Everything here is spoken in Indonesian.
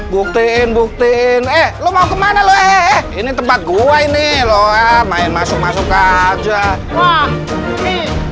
buktiin buktiin eh lu mau ke mana lo eh ini tempat gua ini loh main masuk masuk aja wah